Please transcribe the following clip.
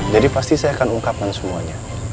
jadi pasti saya akan ungkapkan semuanya